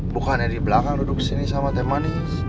bukannya di belakang duduk di sini sama teh manis